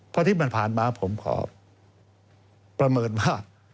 พอที่มันผ่านมาผมขอประเมินว่า